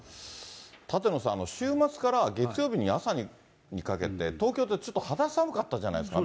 舘野さん、週末から月曜日の朝にかけて、東京ってちょっと肌寒かったじゃないですか。